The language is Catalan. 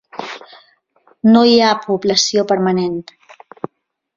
No hi ha població permanent.